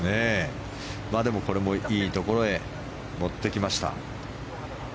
でもこれもいいところへ持ってきました。